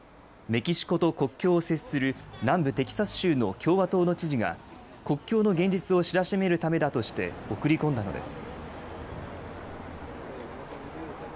メキシコと国境を接する南部テキサス州の共和党の知事が国境の現実を知らしめるためだとして送り込んだのです。